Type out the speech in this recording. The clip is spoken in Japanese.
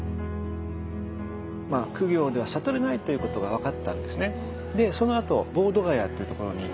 まあ苦行では悟れないということが分かったんですね。